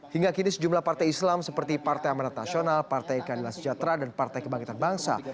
hingga kini sejumlah partai islam seperti partai amanat nasional partai kandilan sejahtera dan partai kebangkitan bangsa